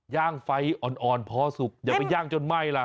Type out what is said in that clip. ย่างไฟอ่อนพอสุกอย่าไปย่างจนไหม้ล่ะ